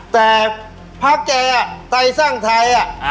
แต่พากแกไต้สร้างไทยอ่ะ